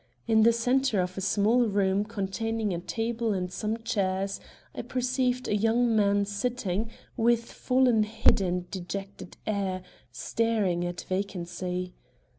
In the center of a small room containing a table and some chairs, I perceived a young man sitting, with fallen head and dejected air, staring at vacancy.